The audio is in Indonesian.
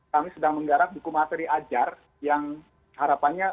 kami sedang menggarap buku materi ajar yang harapannya